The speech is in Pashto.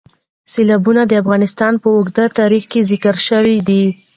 سیلابونه د افغانستان په اوږده تاریخ کې ذکر شوی دی.